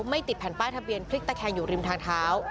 ไม่ติดแผ่นป้ายทะเบียนพลิกตะแคงอยู่ริมทางเท้า